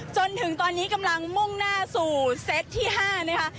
จนถึงตอนนี้กำลังมุ่งหน้าสู่เซตที่๕นะคะ